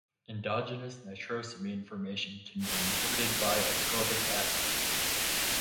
Endogenous nitrosamine formation can be inhibited by ascorbic acid.